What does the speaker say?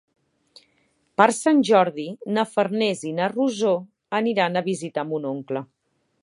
Per Sant Jordi na Farners i na Rosó aniran a visitar mon oncle.